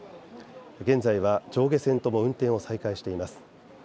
現在は上下線とも運転を再開しています。